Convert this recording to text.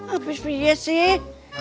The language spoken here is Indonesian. habis pi sih